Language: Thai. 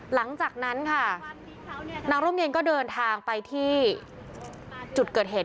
หลังจากนั้นค่ะนางร่มเย็นก็เดินทางไปที่จุดเกิดเหตุ